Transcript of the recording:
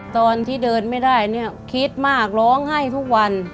ตอนที่เดินไม่ได้เนี่ยคิดมากร้องไห้ทุกวัน